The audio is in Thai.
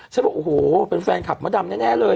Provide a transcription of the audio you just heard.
บอกโอ้โหเป็นแฟนคลับมะดำแน่เลย